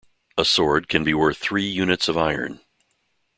A sword can be worth three units of iron.